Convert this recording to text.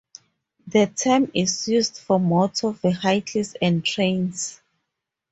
The term is used for motor vehicles and trains.